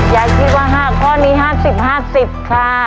อยากคิดว่าห้าข้อนี้ห้าสิบห้าสิบค่ะ